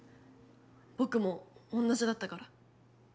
ぼくも同じだったから。